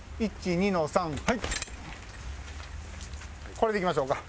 これでいきましょうか。